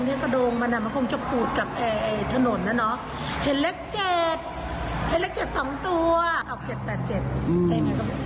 ไว้ออกมาขอบดูสิ